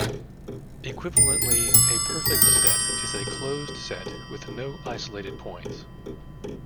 Equivalently, a perfect set is a closed set with no isolated points.